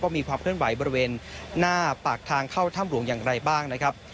มีความเคลื่อนไหวบริเวณหน้าปากทางเข้าถ้ำหลวงอย่างไรบ้างนะครับ